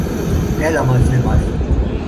Έλα μαζί μας.